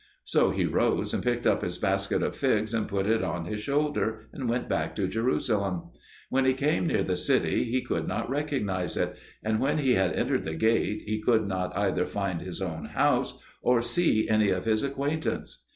So he rose and picked up his basket of figs and put it on his shoulder, and went back to Jerusalem. When he came near the city he could not recognise it, and when he had entered the gate he could not either find his own house or see any of his acquaintance.